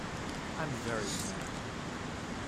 I'm very American.